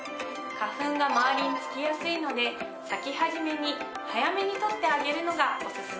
花粉が周りにつきやすいので咲き始めに早めに取ってあげるのがおすすめです。